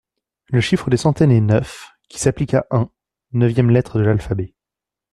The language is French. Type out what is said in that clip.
Le chiffre des centaines est neuf, qui s'applique a un, neuvième lettre de l'alphabet.